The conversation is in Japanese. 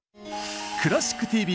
「クラシックＴＶ」